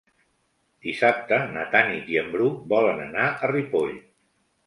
Dissabte na Tanit i en Bru volen anar a Ripoll.